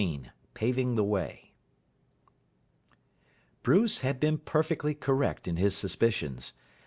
XIX PAVING THE WAY Bruce had been perfectly correct in his suspicions.